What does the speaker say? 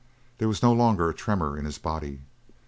There was no longer a tremor in his body.